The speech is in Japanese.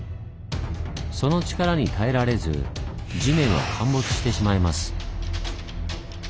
その力に耐えられず地面は陥没してしまいます。